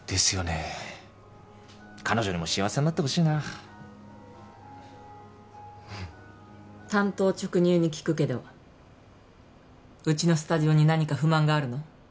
はい彼女にも幸せになってほしいな単刀直入に聞くけどうちのスタジオに何か不満があるの？